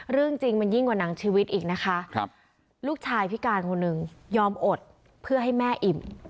เรื่องจริงมันยิ่งกว่าหนังชีวิตอีกนะคะลูกชายพิการคนหนึ่งยอมอดเพื่อให้แม่อิ่ม